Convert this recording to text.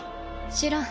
知らん。